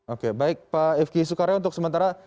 oke baik pak f ki sukarya untuk sementara